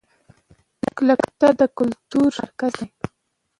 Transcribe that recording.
کلکته د کلتور مرکز دی.